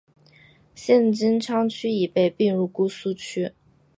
现金阊区已被并入姑苏区。